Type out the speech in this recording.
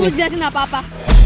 lu gak perlu jelasin apa apa